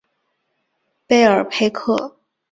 贝尔佩克。